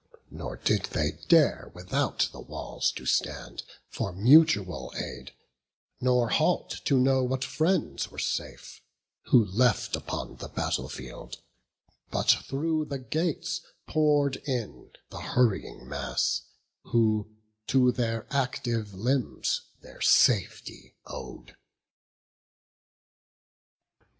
Nor did they dare without the walls to stand For mutual aid; nor halt to know what friends Were safe, who left upon the battle field; But through the gates pour'd in the hurrying mass Who to their active limbs their safety ow'd.